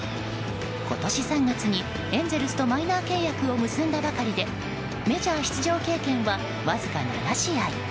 今年３月にエンゼルスとマイナー契約を結んだばかりでメジャー出場経験はわずか７試合。